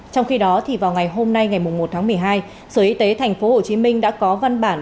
trong khi đó thì vào ngày hôm nay ngày một tháng một mươi hai sở y tế thành phố hồ chí minh đã có văn bản